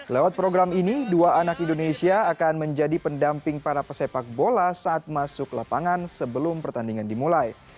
lewat program ini dua anak indonesia akan menjadi pendamping para pesepak bola saat masuk lapangan sebelum pertandingan dimulai